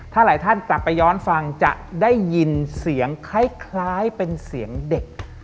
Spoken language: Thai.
ถ้าหลายท่านกลับไปย้อนฟังจะได้ยินเสียงคล้ายเป็นเสียงเด็ก